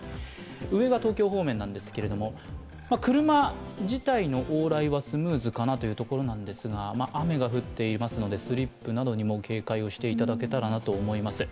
上が東京方面なんですけれども、車自体の往来はスムーズかなというところですが、雨が降っていますので、スリップなどにも警戒していただけたらなと思います。